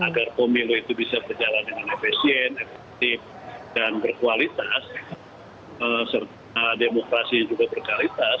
agar pemilu itu bisa berjalan dengan efisien efektif dan berkualitas serta demokrasi yang juga berkualitas